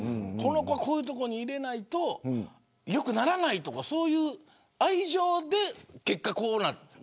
こういうところに入れないと良くならないとかそういう愛情で結果こうなって。